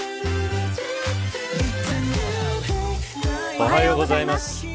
おはようございます。